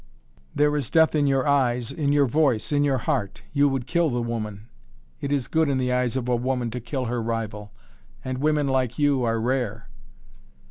"There is death in your eyes in your voice in your heart! You would kill the woman. It is good in the eyes of a woman to kill her rival and women like you are rare!"